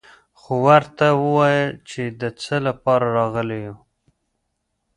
خو ورته ووايه چې د څه له پاره راغلي يو.